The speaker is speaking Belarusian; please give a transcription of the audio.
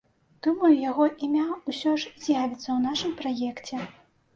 Думаю, яго імя ўсё ж з'явіцца ў нашым праекце.